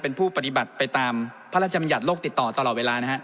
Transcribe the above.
เป็นผู้ปฏิบัติไปตามพระราชบัญญัติโลกติดต่อตลอดเวลานะฮะ